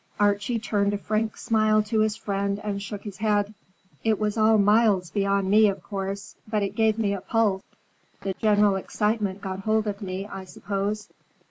Archie turned a frank smile to his friend and shook his head. "It was all miles beyond me, of course, but it gave me a pulse. The general excitement got hold of me, I suppose.